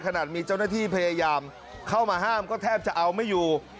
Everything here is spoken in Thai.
ขนาดมีเจ้าหน้าที่พยายามเข้ามาห้ามก็แทบจะเอาไม่อยู่